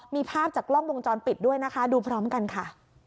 มีภาพจากกล้องวงจรปิดด้วยนะคะดูพร้อมกันค่ะ